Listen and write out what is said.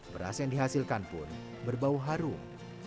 beras yang dihasilkan pun berbau harum